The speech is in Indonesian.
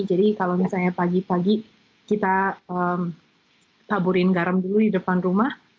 jadi kalau misalnya pagi pagi kita taburin garam dulu di depan rumah